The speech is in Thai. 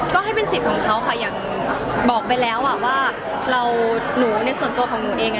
ก็ให้เป็นสิทธิ์ของเขาค่ะอย่างบอกไปแล้วว่าเราหนูในส่วนตัวของหนูเอง